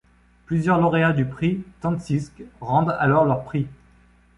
Plusieurs lauréats du prix Táncsics rendent alors leur prix.